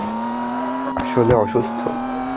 -আসলে-- - অসুস্থ?